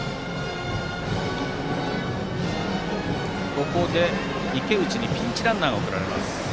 ここで池内にピンチランナーが送られます。